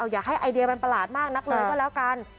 อยากให้ไอเดียมันประหลาดมากนักเลยก็แล้วกัน